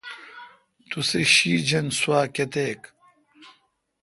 تسےشی جّن سوا کیتک۔